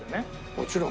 もちろん。